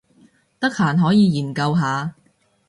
得閒可以研究下